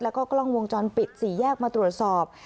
แล้วก็กล้องวงจรปิด๔แยกมาตรวจสอบ